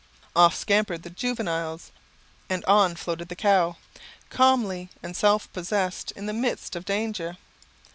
Off scampered the juveniles; and on floated the cow, calm and self possessed in the midst of danger.